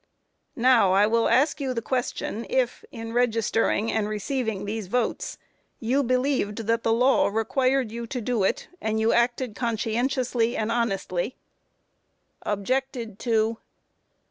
Q. Now, I will ask you the question if, in registering and receiving these votes, you believed that the law required you to do it, and you acted conscientiously and honestly? Objected to.